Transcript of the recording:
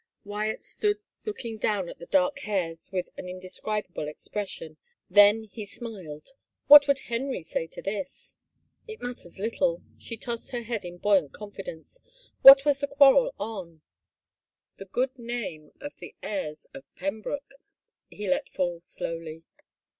Wyatt stood looking down at the dark hairs with an indescribable expression. Then he smiled. " What would Henry say to this?" " It matters little I " She tossed her head in buoyant confidence. " What was the quarrel on ?"" The good name of the heirs of Pembroke," he let fall slowly.